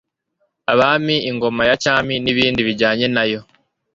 abami, ingoma ya cyami n'ibindi bijyanye na yo